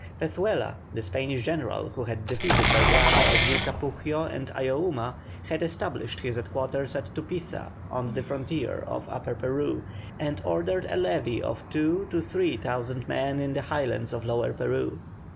Pezuela, the Spanish general who had defeated Belgrano at Vilcapugio and Ayohuma, had established his headquarters at Tupiza on the frontier of Upper Peru, and ordered a levy of two to three thousand men in the Highlands of Lower Peru.